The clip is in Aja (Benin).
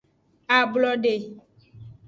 Ablode.